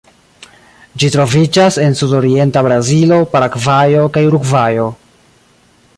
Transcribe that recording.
Ĝi troviĝas en sudorienta Brazilo, Paragvajo kaj Urugvajo.